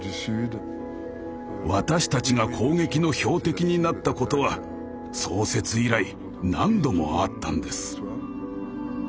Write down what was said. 私たちが攻撃の標的になったことは創設以来何度もあったんです。